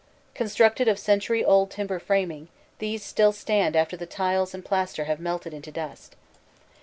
Constructed of century old timber f raming, these still stand after the tiles and plaster have melted into dust.